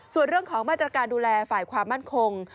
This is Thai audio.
ส่วนเรื่องของมาตรการดูแลฝ่ายความมั่นคง